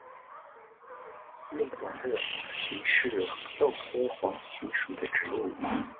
类短肋黄耆是豆科黄芪属的植物。